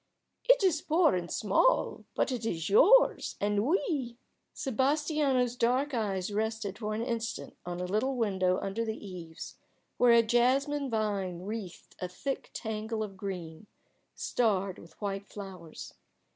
"It is poor and small, but it is yours and we " Sebastiano's dark eyes rested for an instant on a little window under the eaves where a jasmine vine wreathed a thick tangle of green, starred with white flowers.